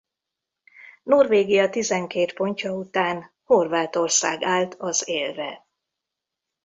Norvégia tizenkét pontja után Horvátország állt az élre.